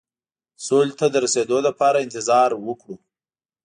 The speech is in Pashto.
سولې ته د رسېدو لپاره انتظار وکړو.